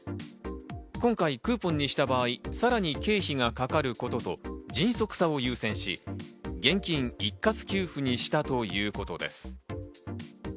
今回クーポンにした場合、さらに経費がかかることと迅速さを優先し、現金一括給付にしたということです。